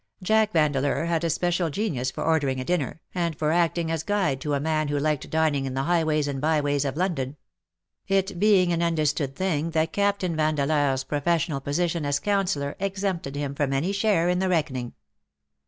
Jack Yan deleur had a special genius for ordering a dinner, and for acting as guide to a man who liked dining in the highways and byways of London ; it being an understood thing that Captain Vandeleur's professional position as counsellor exempted him from any share in the reckoning.